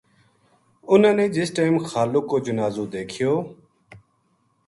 اُنھاں نے جس ٹیم خالق کو جنازو دیکھیو